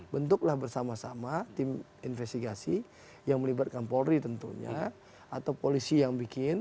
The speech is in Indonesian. bentuklah bersama sama tim investigasi yang melibatkan polri tentunya atau polisi yang bikin